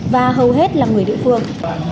và hầu hết là người địa phương